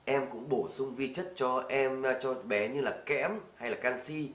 em cũng bổ sung vi chất cho bé như kém hay canxi